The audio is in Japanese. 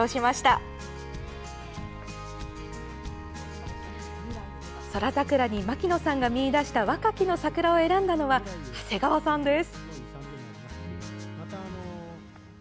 宇宙桜に牧野さんが見いだしたワカキノサクラを選んだのは長谷川さんです。